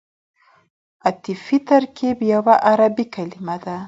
عطفي ترکیب یوه عربي کلیمه ده.